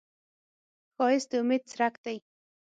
ښایست د امید څرک دی